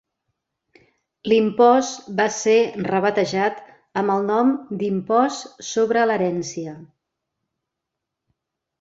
L'impost va ser rebatejat amb el nom d'Impost sobre l'herència.